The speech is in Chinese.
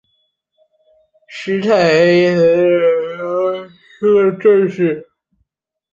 施泰因茨是奥地利施蒂利亚州德意志兰茨贝格县的一个市镇。